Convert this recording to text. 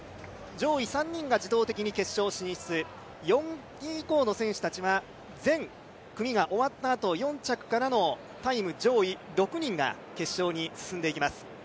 上位３人が自動的に決勝進出４位以降の選手たちは全組が終わったあと４着からのタイム上位６人が決勝に進んでいきます。